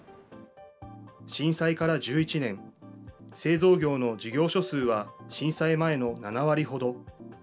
震災から１１年、製造業の事業所数は震災前の７割ほど。